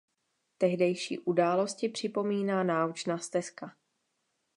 Tehdejší události připomíná naučná stezka.